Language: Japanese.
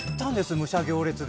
武者行列で。